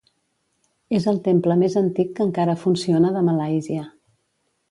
És el temple més antic que encara funciona de Malàisia.